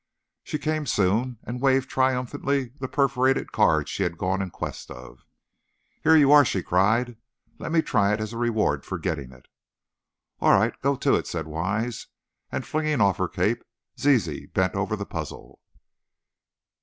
She came soon, and waved triumphantly the perforated card she had gone in quest of. "Here you are!" she cried; "let me try it as a reward for getting it." "All right, go to it," said Wise, and flinging off her cape, Zizi bent over the puzzle.